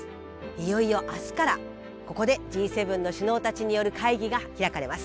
いよいよ明日からここでＧ７の首脳たちによる会議が開かれます。